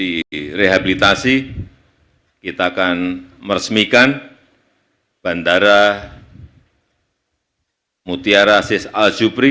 direhabilitasi kita akan meresmikan bandara mutiara sis al jubri